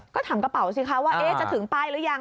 ก็ถามกระเป๋าสิคะว่าจะถึงป้ายหรือยัง